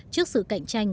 trước sự cạnh tranh